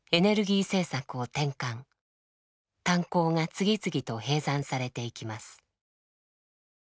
炭鉱が次々と閉山されていきます。